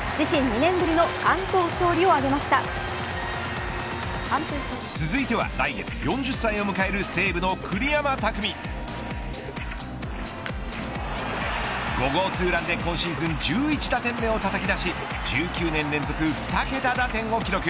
１７年目が自身２年ぶりの続いては、来月４０歳を迎える西武の栗山巧５号ツーランで今シーズン１１打点をたたき出し１９年連続２桁打点を記録。